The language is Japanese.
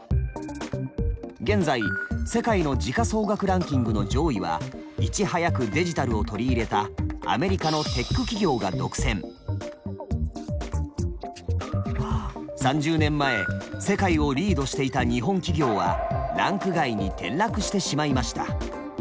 現在世界の時価総額ランキングの上位はいち早くデジタルを取り入れたアメリカの３０年前世界をリードしていた日本企業はランク外に転落してしまいました。